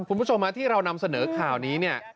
คุณผู้ชมที่เรานำเสนอข่าวนี้เนี่ย